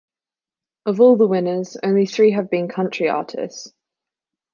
Of all the winners, only three have been country artists.